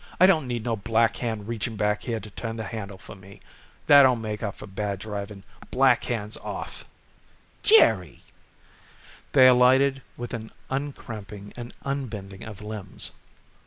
I don't need no black hand reaching back here to turn the handle for me. That don't make up for bad driving. Black hands off." "Jerry!" They alighted with an uncramping and unbending of limbs.